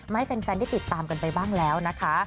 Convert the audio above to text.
ให้แฟนได้ติดตามกันไปบ้างแล้วนะคะ